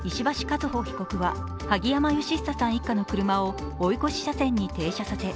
和歩被告は萩山嘉久さん一家の車を追い越し車線に停車させ